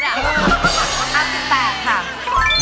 ๑๘ครับ